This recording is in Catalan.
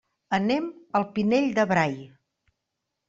Anem al Pinell de Brai.